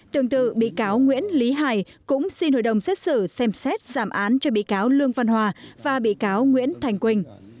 tương tự bị cáo nguyễn lý hải cũng xin hội đồng xét xử xem xét giảm án cho bị cáo lương văn hòa và bị cáo nguyễn thành quỳnh